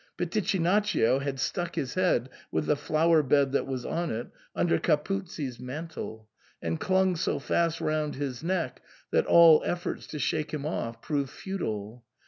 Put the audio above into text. Pitichinaccio had stuck his head, with the flower bed that was on it, under Capuzzi's mantle, and clung so fast round his neck that all efforts to shake him off proved futile.